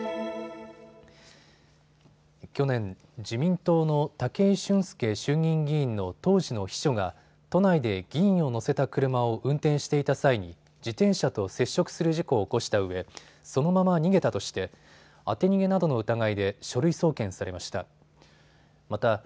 去年、自民党の武井俊輔衆議院議員の当時の秘書が都内で議員を乗せた車を運転していた際に自転車と接触する事故を起こしたうえ、そのまま逃げたとして当て逃げなどの疑いで書類送検されました。